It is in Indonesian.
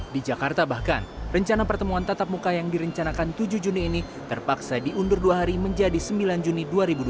di jakarta bahkan rencana pertemuan tatap muka yang direncanakan tujuh juni ini terpaksa diundur dua hari menjadi sembilan juni dua ribu dua puluh